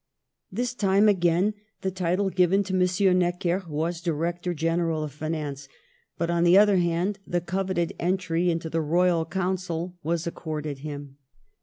This time, again, the title given to M. Necker was Director Gen eral of Finance ; but, on the other hand, the cov eted entry into the Royal Council Was accorded him.